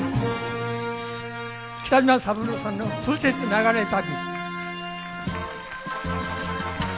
北島三郎さんの「風雪ながれ旅」。